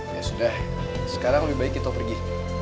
ya sudah sekarang lebih baik kita pergi